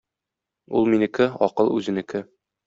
Ул минеке, акыл үзенеке.